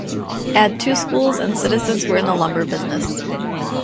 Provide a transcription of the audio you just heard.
It had two schools, and citizens were in the lumber business.